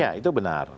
ya itu benar